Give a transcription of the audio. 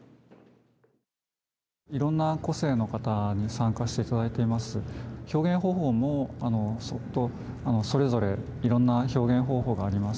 いろんな個性の方に参加していただいています。